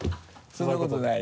そんなことない？